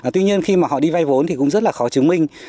tuy nhiên khi mà họ đi vay vốn thì cũng rất là khó chứng minh